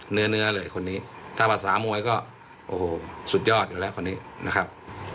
เนื้อเลยคนนี้ถ้าภาษามวยก็โอ้โหสุดยอดอยู่แล้วคนนี้นะครับ